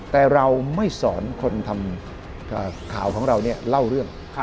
แต่เราไม่สอนคนทำข่าวของเราเนี่ยเล่าเรื่อง